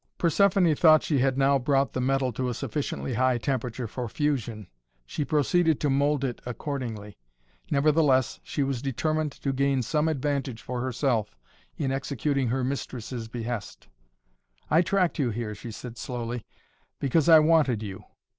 Persephoné thought she had now brought the metal to a sufficiently high temperature for fusion. She proceeded to mould it accordingly. Nevertheless she was determined to gain some advantage for herself in executing her mistress' behest. "I tracked you here," she said slowly, "because I wanted you!